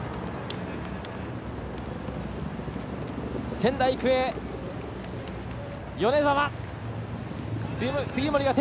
仙台育英、米澤。